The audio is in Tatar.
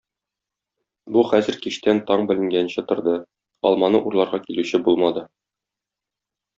Бу хәзер кичтән таң беленгәнче торды, алманы урларга килүче булмады.